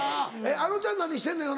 あのちゃん何してんの？